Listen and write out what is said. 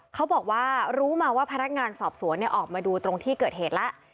เขาบอกว่ารู้มาว่าพนักงานสอบสวนออกมาดูตรงที่เกิดเหตุแล้ว